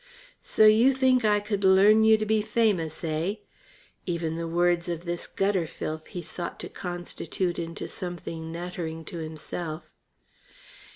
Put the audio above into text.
"So you think I could learn you to be famous, hey?" Even the words of this gutter filth he sought to construe into something nattering to himself.